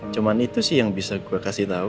cuma itu sih yang bisa gue kasih tau